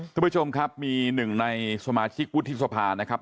คุณผู้ชมครับมีหนึ่งในสมาชิกวุฒิสภานะครับ